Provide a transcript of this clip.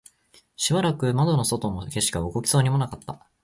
しばらく窓の外の景色は動きそうもなかった